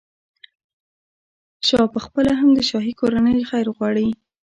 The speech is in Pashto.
شاه پخپله هم د شاهي کورنۍ خیر غواړي.